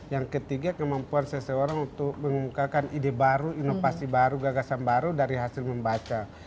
yang ketiga kemampuan seseorang untuk mengumumkakan ide baru inovasi baru gagasan baru dari hasil membaca